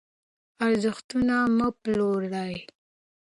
ارزښتونه مه پلورئ.